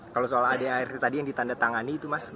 kalau soal adart tadi yang ditandatangani itu mas